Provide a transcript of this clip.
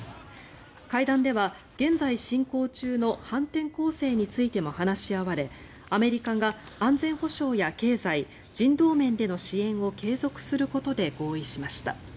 会談では現在進行中の反転攻勢についても話し合われアメリカが安全保障や経済人道面での支援を継続することで合意しました。